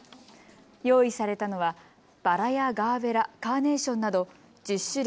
用意されたのはバラやガーベラ、カーネーションなど１０種類